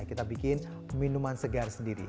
kita bikin minuman segar sendiri